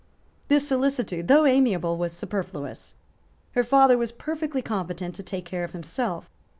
This solicitude, though amiable, was superfluous. Her father was perfectly competent to take care of himself.